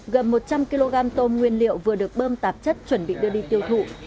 gần một trăm linh kg tôm nguyên liệu vừa được bơm tạp chất chuẩn bị đưa đi tiêu thụ